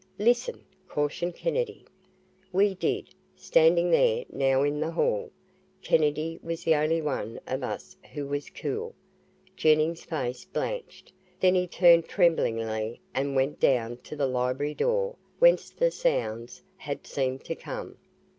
"Listen!" cautioned Kennedy. We did, standing there now in the hall. Kennedy was the only one of us who was cool. Jennings' face blanched, then he turned tremblingly and went down to the library door whence the sounds had seemed to come.